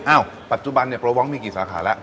ปัจจุบันเนี่ยโปรวองมีกี่สาขาแล้ว